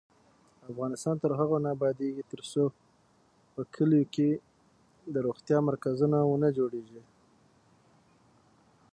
افغانستان تر هغو نه ابادیږي، ترڅو په کلیو کې د روغتیا مرکزونه ونه جوړیږي.